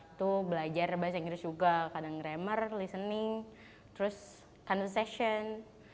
itu belajar bahasa inggris juga kadang grammar listening terus conversation